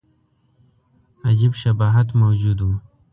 عجیب شباهت موجود وو.